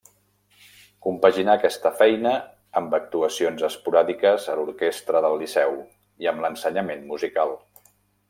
Compaginà aquesta feina amb actuacions esporàdiques a l'Orquestra del Liceu i amb l'ensenyament musical.